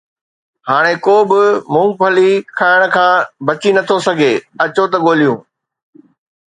هاڻ ڪو به مونگ پھلي کائڻ کان بچي نٿو سگهي، اچو ته ڳولهيون